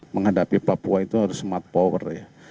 menghadapi papua itu harus smart power ya